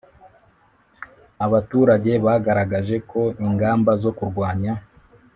Abaturage bagaragaje ko ingamba zo kurwanya